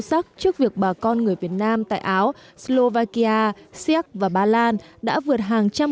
sắc trước việc bà con người việt nam tại áo slovakia siếc và ba lan đã vượt hàng trăm